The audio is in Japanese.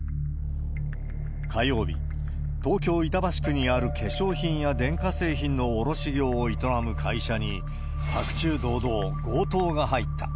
火曜日、東京・板橋区にある化粧品や電化製品の卸業を営む会社に、白昼堂々強盗が入った。